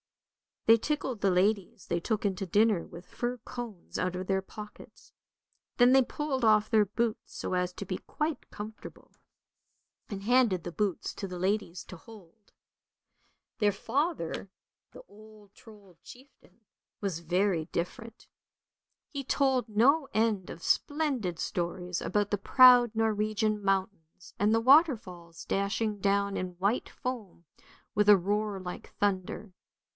They tickled the ladies they took into dinner with fir cones out of their pockets; then they pulled off their boots, so as to be quite comfortable, S6 ANDERSEN'S FAIRY TALES and handed the boots to the ladies to hold. Their father, the old Trold chieftain, was very different; he told no end of splendid stories about the proud Norwegian mountains, and the waterfalls dashing down in white foam with a roar like thunder.